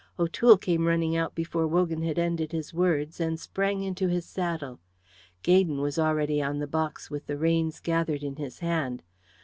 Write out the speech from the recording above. O'Toole came running out before Wogan had ended his words, and sprang into his saddle. Gaydon was already on the box with the reins gathered in his hand.